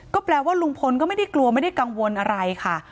ก็แปลว่าลุงพลก็ไม่ได้กลัวไม่ได้กังวลอะไรค่ะ